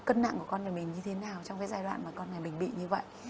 cân nặng của con nhà mình như thế nào trong cái giai đoạn mà con người mình bị như vậy